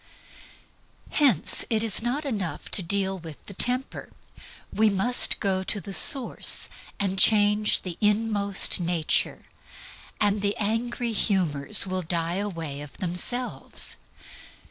Hence it is not enough to deal with the Temper. We must go to the source, and change the inmost nature, and the angry humors will die away of themselves.